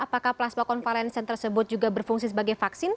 apakah plasma konvalencent tersebut juga berfungsi sebagai vaksin